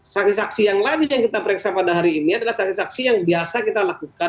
saksi saksi yang lain yang kita periksa pada hari ini adalah saksi saksi yang biasa kita lakukan